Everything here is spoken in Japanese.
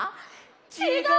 ちがう！